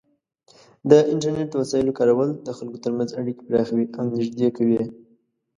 د انټرنیټ د وسایلو کارول د خلکو ترمنځ اړیکې پراخوي او نږدې کوي.